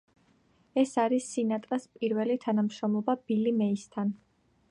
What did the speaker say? ეს არის სინატრას პირველი თანამშრომლობა ბილი მეისთან.